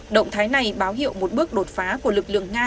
động thái này báo hiệu một bước đột phá của lực lượng nga